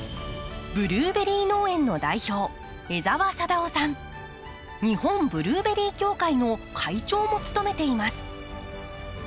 ブルーベリー農園の代表日本ブルーベリー協会の会長も務めています。